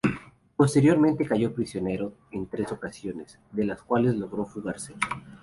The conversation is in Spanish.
Posteriormente cayó prisionero en tres ocasiones, de las cuales logró fugarse.